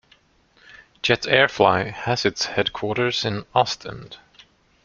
Jetairfly has its headquarters in Ostend.